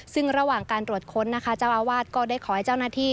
ซึ่งระหว่างการตรวจค้นนะคะเจ้าอาวาสก็ได้ขอให้เจ้าหน้าที่